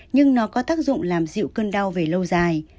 nhưng nó có tác dụng làm dịu cơn đau về lâu dài